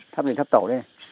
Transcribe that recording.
tháp đỉnh tháp tổ đây này